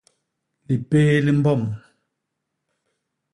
Lipé li mbom.